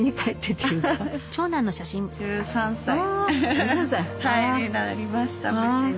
１３歳になりました無事に。